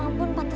ga bisa adanya